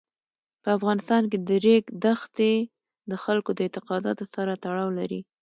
په افغانستان کې د ریګ دښتې د خلکو د اعتقاداتو سره تړاو لري.